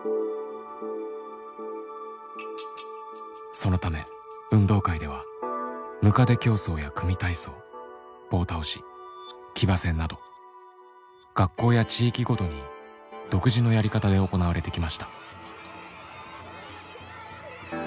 そのため運動会ではむかで競走や組体操棒倒し騎馬戦など学校や地域ごとに独自のやり方で行われてきました。